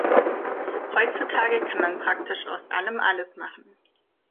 Heutzutage kann man praktisch aus allem alles machen.